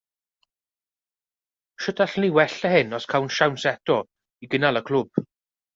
Sut allwn wella hyn os cawn siawns eto i gynnal y clwb?